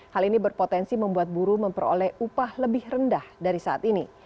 hal ini berpotensi membuat buruh memperoleh upah lebih rendah dari saat ini